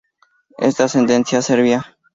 Es de ascendencia serbia.